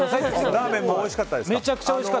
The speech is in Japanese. ラーメンおいしかったですか？